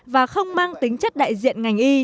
và khó khăn